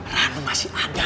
danung masih ada